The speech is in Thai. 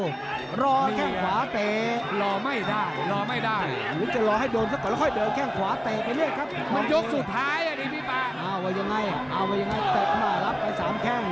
ก็อยากจะออกตีนขวามาอีกแล้ว